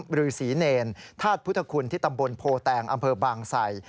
ฤษีเนรธาตุพุทธคุณที่ตำบลโพแตงอำเภอบางไส